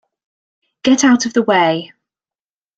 Get out of the way!